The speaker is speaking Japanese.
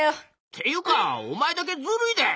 っていうかおまえだけずるいで！